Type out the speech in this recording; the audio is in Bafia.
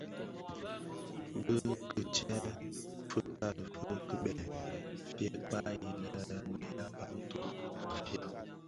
Bi kitsèè fikali fi kibèè, fyè kpaghi lè bë ya Bantu (Bafia).